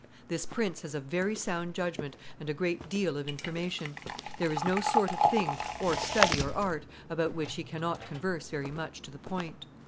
This prince has a very sound judgment and a great deal of information; there is no sort of thing, or study or art, about which he cannot converse very much to the point.